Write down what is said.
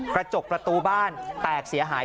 กระจกประตูบ้านแตกเสียหาย